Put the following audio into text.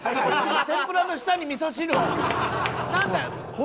天ぷらの下にみそ汁を！？